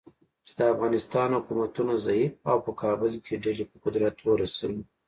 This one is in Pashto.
چې د افغانستان حکومتونه ضعیفه او په کابل کې ډلې په قدرت ورسوي.